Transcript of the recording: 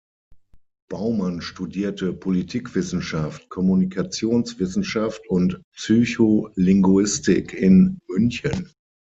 Baumann studierte Politikwissenschaft, Kommunikationswissenschaft und Psycholinguistik in München.